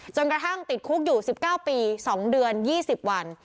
กระทั่งติดคุกอยู่๑๙ปี๒เดือน๒๐วัน